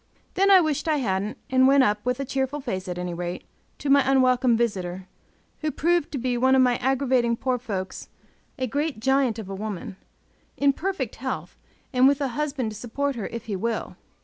Then I wished I hadn't, and went up, with a cheerful face at any rate, to my unwelcome visitor, who proved to be one of my aggravating poor folks a great giant of a woman, in perfect health, and with a husband to support her if he will.